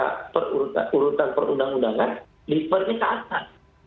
oleh karena itu dalam tata urutan perundang undangan diperni saat saat